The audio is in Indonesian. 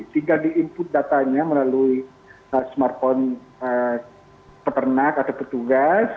sehingga di input datanya melalui smartphone peternak atau petugas